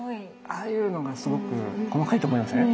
ああいうのがすごく細かいとこなんですね。